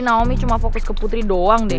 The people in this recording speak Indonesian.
naomi cuma fokus ke putri doang deh